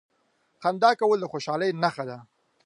• خندا کول د خوشالۍ نښه ده.